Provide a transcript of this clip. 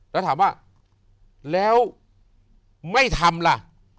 แล้วถามว่าแล้วไม่ทำล่ะ